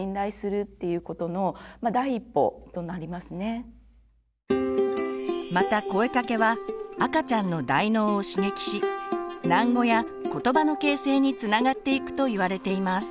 ですからまた声かけは赤ちゃんの大脳を刺激し喃語やことばの形成につながっていくといわれています。